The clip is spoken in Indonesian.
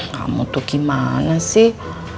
kamu tuh gimana sih